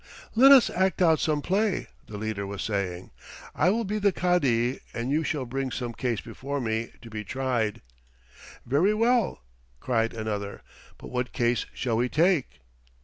"Let us act out some play," the leader was saying. "I will be the Cadi, and you shall bring some case before me to be tried." "Very well," cried another. "But what case shall we take?"